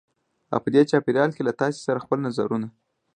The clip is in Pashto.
او په دې چاپېریال کې له تاسې سره خپل نظرونه